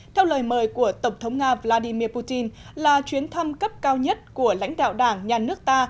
theo lời mời của tổng thống nga vladimir putin là chuyến thăm cấp cao nhất của lãnh đạo đảng nhà nước ta